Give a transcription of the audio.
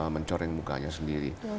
mencoreng mukanya sendiri